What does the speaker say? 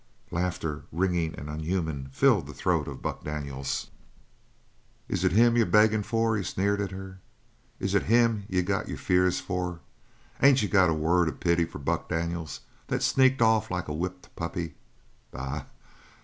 Laughter, ringing and unhuman, filled the throat of Buck Daniels. "Is it him you're beggin' for?" he sneered at her. "Is it him you got your fears for? Ain't you got a word of pity for poor Buck Daniels that sneaked off like a whipped puppy? Bah!